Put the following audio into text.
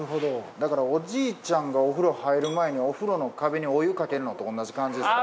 だからおじいちゃんがお風呂入る前にお風呂の壁にお湯かけるのと同じ感じですかね。